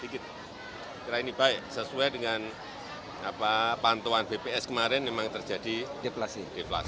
saya kira ini baik sesuai dengan pantauan bps kemarin memang terjadi deflasi